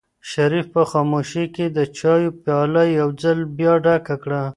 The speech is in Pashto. شریف په خاموشۍ کې د چایو پیاله یو ځل بیا ډکه کړه.